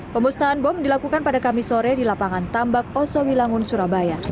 pemusnahan bom dilakukan pada kamis sore di lapangan tambak osowi langun surabaya